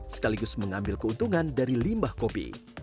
sekaligus mengambil keuntungan dari limbah kopi